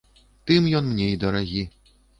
Тым ён мне і дарагі.